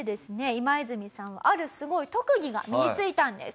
イマイズミさんはあるすごい特技が身に付いたんです。